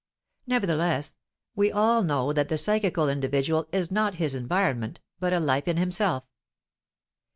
Nevertheless, we all know that the psychical individual is not his environment, but a life in himself.